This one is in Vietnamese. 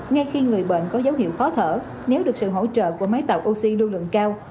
ngay khi người bệnh có dấu hiệu khó thở nếu được sự hỗ trợ của máy tạo oxy lưu lượng cao